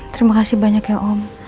terima kasih banyak ya om